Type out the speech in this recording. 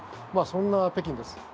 そんな北京です。